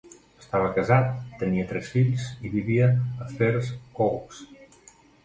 Estava casat, tenia tres fills i vivia a Fair Oaks.